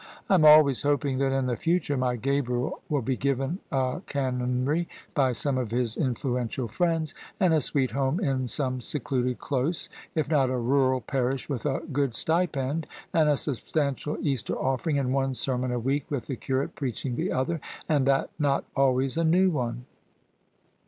I am always hoping that in the future my Gabriel will be given a Can onry by some of his influential friends, and a sweet home in some secluded close, if not a rural parish with a good stipend and a substantial Easter offering, and one sermon a week with the curate preaching the other, and that not always a new one."